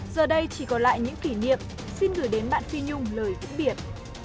giờ đây chỉ còn lại những kỷ niệm xin gửi đến bạn phi nhung lời vĩnh biệt